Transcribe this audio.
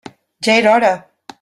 Ja era hora!